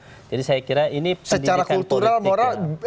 pendidikan politik secara kultural moral